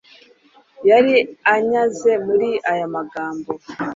yari anyaze muri aya magambo